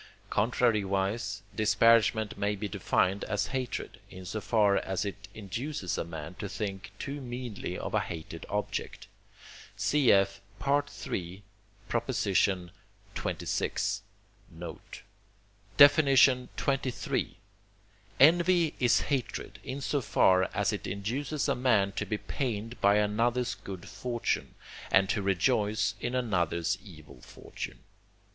Contrariwise, disparagement may be defined as hatred, in so far as it induces a man to think too meanly of a hated object. Cf. III. xxvi. note. XXIII. Envy is hatred, in so far as it induces a man to be pained by another's good fortune, and to rejoice in another's evil fortune.